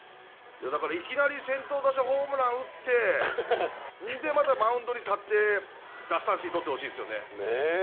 いきなり先頭打者ホームラン打ってまた、マウンドに立って奪三振をとってほしいですね。